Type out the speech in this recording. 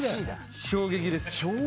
衝撃です。